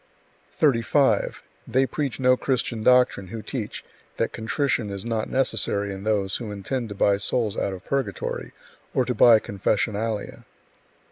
35. They preach no Christian doctrine who teach that contrition is not necessary in those who intend to buy souls out of purgatory or to buy confessionalia.